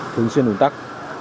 thường xuyên un tắc